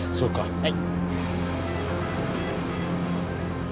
はい。